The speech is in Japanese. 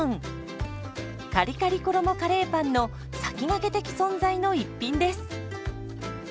カリカリ衣カレーパンの先駆け的存在の一品です。